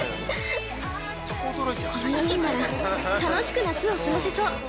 ◆この４人なら、楽しく夏を過ごせそう。